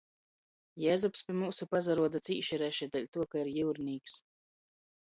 Jezups pi myusu pasaruoda cīši reši, deļtuo ka ir jiurinīks.